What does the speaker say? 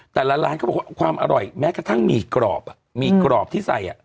แต่ละร้านเขาบอกว่าความอร่อยแม้กระทั่งหมี่กรอบหมี่กรอบที่ใส่